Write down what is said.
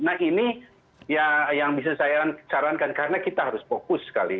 nah ini yang bisa saya sarankan karena kita harus fokus sekali